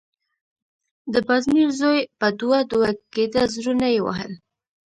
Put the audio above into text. د بازمير زوی په دوه_ دوه کېده، زورونه يې وهل…